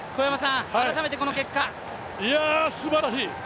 いや、すばらしい。